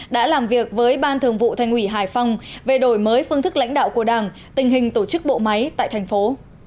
đã làm việc với ban thường vụ thành ủy hải phòng về đổi mới phương thức lãnh đạo của đảng tình hình tổ chức bộ máy tại thành phố